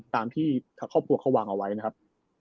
ตามที่ทางครอบครัวเขาวางเอาไว้นะครับ